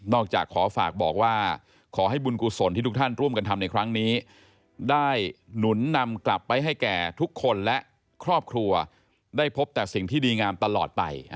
จากขอฝากบอกว่าขอให้บุญกุศลที่ทุกท่านร่วมกันทำในครั้งนี้ได้หนุนนำกลับไปให้แก่ทุกคนและครอบครัวได้พบแต่สิ่งที่ดีงามตลอดไป